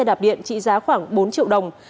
đạp điện trị giá khoảng bốn triệu đồng